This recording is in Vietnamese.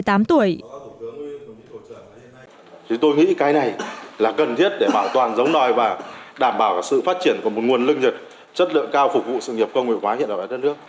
thì tôi nghĩ cái này là cần thiết để bảo toàn giống đòi và đảm bảo sự phát triển của một nguồn linh dựt chất lượng cao phục vụ sự nghiệp công nghệ hóa hiện ở đất nước